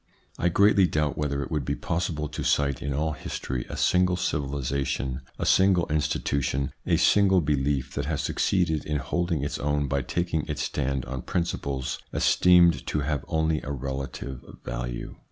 I greatly doubt whether it would be possible to cite in all history a single civilisation, a single institution, a single belief that has succeeded in holding its own by taking its stand on principles esteemed to have only a relative value.